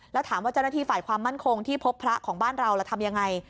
แล้วถามว่าเจ้าหน้าที่ฝ่ายความมั่นคงที่พบพระของบ้านเราเราทำยังไง